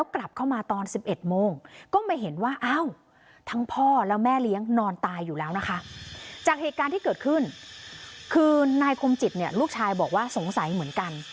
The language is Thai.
เกิดขึ้นคือนายคมจิตเนี่ยลูกชายบอกว่าสงสัยเหมือนกัน